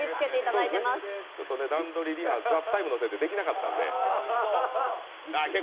段取り、今、「ＴＨＥＴＩＭＥ，」のせいでできなかったので。